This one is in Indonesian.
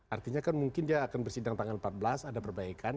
artinya kan mungkin dia akan bersidang tanggal empat belas ada perbaikan